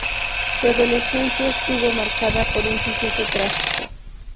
Su adolescencia estuvo marcada por un suceso trágico.